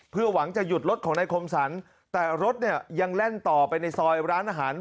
เพื่อหวังจะหยุดรถของนายคมสรรแต่รถเนี่ยยังแล่นต่อไปในซอยร้านอาหาร